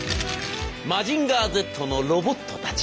「マジンガーＺ」のロボットたち。